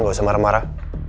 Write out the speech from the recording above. tidak usah marah marah